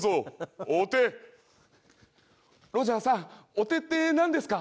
お手ってなんですか？